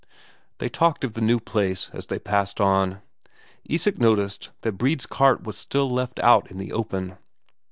They talked of the new place as they passed on. Isak noticed that Brede's cart was still left out in the open.